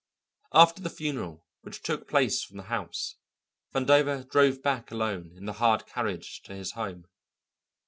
After the funeral, which took place from the house, Vandover drove back alone in the hired carriage to his home.